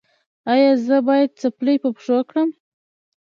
ایا زه باید څپلۍ په پښو کړم؟